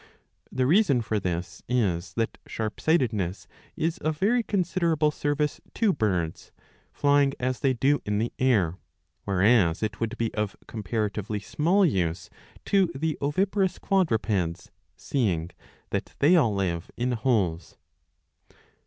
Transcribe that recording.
^^ The reason for this is that sharpsightedness is of very considerable service to birds, flying as they do in the air, whereas it would be of comparatively small use to the oviparous qiiadrupeds, seeing that they all live in holes.